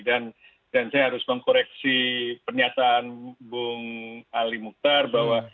dan saya harus mengkoreksi pernyataan bung ali mukhtar bahwa